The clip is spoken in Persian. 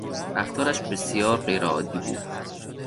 رفتارش بسیار غیر عادی بود.